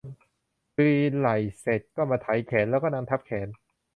ปีนไหล่เสร็จก็มาไถแขนแล้วนั่งทับแขน